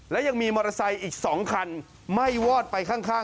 และยังมีมอเตอร์ไซค์อีก๒คันไหม้วอดไปข้าง